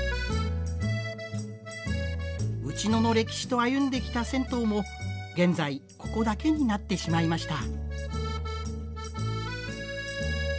内野の歴史と歩んできた銭湯も現在ここだけになってしまいました。